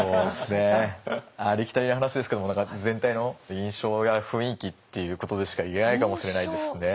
ありきたりな話ですけれども全体の印象や雰囲気っていうことでしか言えないかもしれないですね。